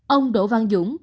ông đỗ văn dũng